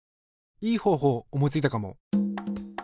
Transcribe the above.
いい方法思いついたかも。